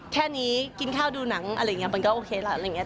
แค่นี้กินข้าวดูหนังอะไรอย่างนี้มันก็โอเคละอะไรอย่างนี้